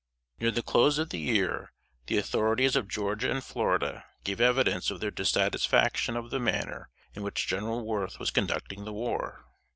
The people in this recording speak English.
Near the close of the year, the authorities of Georgia and Florida gave evidence of their dissatisfaction of the manner in which General Worth was conducting the war.